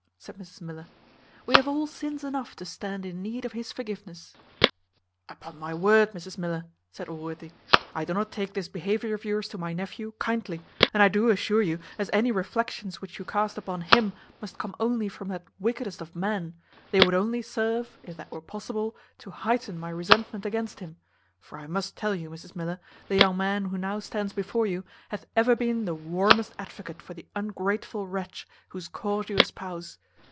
said Mrs Miller; "we have all sins enough to stand in need of his forgiveness." "Upon my word, Mrs Miller," said Allworthy, "I do not take this behaviour of yours to my nephew kindly; and I do assure you, as any reflections which you cast upon him must come only from that wickedest of men, they would only serve, if that were possible, to heighten my resentment against him: for I must tell you, Mrs Miller, the young man who now stands before you hath ever been the warmest advocate for the ungrateful wretch whose cause you espouse.